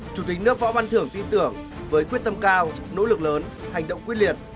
chủ tịch nước võ văn thưởng tin tưởng với quyết tâm cao nỗ lực lớn hành động quyết liệt